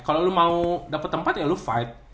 kalau lu mau dapet tempat ya lu fight